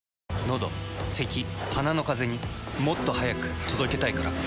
のどせき鼻のカゼにもっと速く届けたいから。